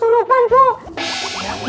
bukan sakit kesorupan bapak